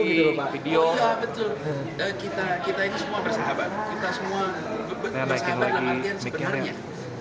iya betul kita ini semua bersahabat kita semua bersahabat dalam artian sebenarnya